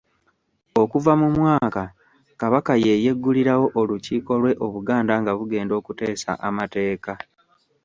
Okuva mu mwaka Kabaka ye yeggulirawo olukiiko lwe Obuganda nga bugenda okuteesa amateeka.